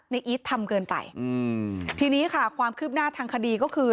อีททำเกินไปอืมทีนี้ค่ะความคืบหน้าทางคดีก็คือ